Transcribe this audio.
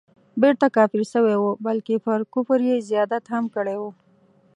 بیرته کافر سوی وو بلکه پر کفر یې زیادت هم کړی وو.